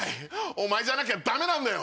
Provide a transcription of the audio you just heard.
お前じゃなきゃダメなんだよ。